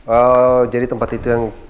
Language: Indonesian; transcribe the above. oh jadi tempat itu yang